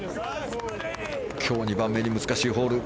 今日２番目に難しいホール。